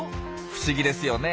不思議ですよね。